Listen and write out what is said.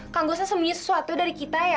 kang gustaf sembunyi sesuatu dari kita ya